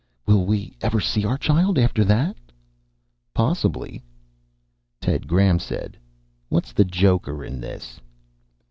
"Will we ever see our child after that?" "Possibly." Ted Graham said, "What's the joker in this?"